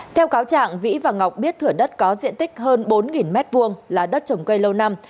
theo cáo trạng vĩ và ngọc biết thửa đất có diện tích hơn bốn m hai là đất trồng cây lâu năm